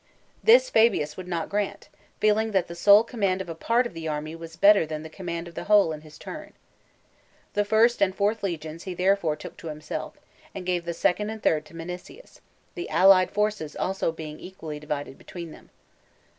This Fabius would not grant, feeling that the sole command of a part of the army was better than the command of the whole in his turn. The first and fourth legions he therefore took himself, and gave the second and third to Minucius, the allied forces also being equally divided between them.